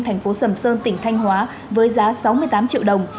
tp sầm sơn tỉnh thanh hóa với giá sáu mươi tám triệu đồng